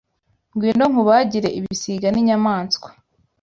ngwino nkubagire ibisiga n’inyamaswa